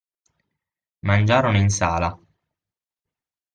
Mangiarono in sala